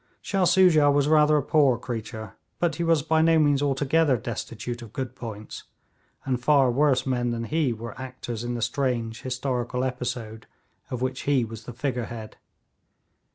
Shah Soojah was rather a poor creature, but he was by no means altogether destitute of good points, and far worse men than he were actors in the strange historical episode of which he was the figurehead.